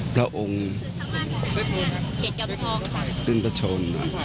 พระองค์ขึ้นไปชน